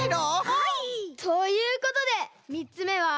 はい！ということでみっつめは。